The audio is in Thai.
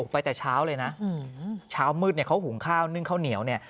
ไปแต่เช้าเลยนะเช้ามืดเนี่ยเขาหุงข้าวนึ่งข้าวเหนียวเนี่ย